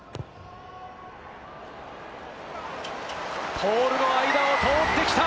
ポールの間を通ってきた！